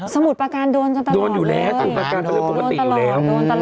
สมุดปาการโดนกันตลอดเลยเลยโดนตลอดโดนตลอด